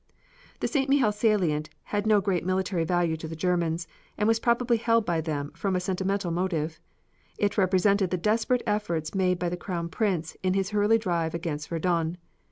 The St. Mihiel salient had no great military value to the Germans, and was probably held by them from a sentimental motive. It represented the desperate efforts made by the Crown Prince in his early drive against Verdun.